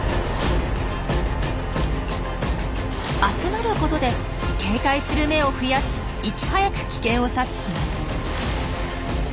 集まることで警戒する目を増やしいち早く危険を察知します。